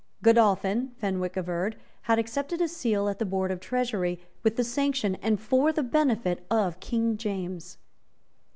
Godolphin, Fenwick averred, had accepted a seat at the Board of Treasury, with the sanction and for the benefit of King James.